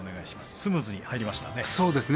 スムーズに入りましたね。